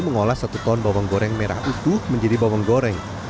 mengolah satu ton bawang goreng merah utuh menjadi bawang goreng